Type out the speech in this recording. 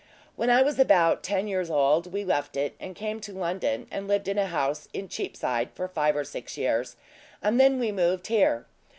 When I was about ten years old, we left it, and came to London, and lived in a house in Cheapside, for five or six years; and then we moved here.